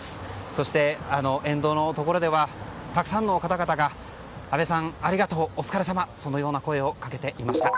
そして、沿道のところではたくさんの方々が安倍さん、ありがとうお疲れさまそのような声をかけていました。